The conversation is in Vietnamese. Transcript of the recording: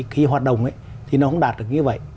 khi hoạt động thì nó cũng đạt được như vậy